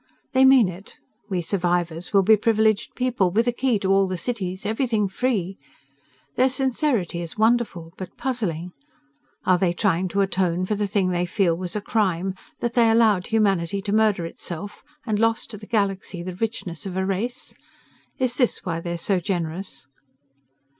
They mean it. We survivors will be privileged people, with a key to all the cities, everything free. Their sincerity is wonderful, but puzzling. Are they trying to atone for the thing they feel was a crime; that they allowed humanity to murder itself, and lost to the Galaxy the richness of a race? Is this why they are so generous?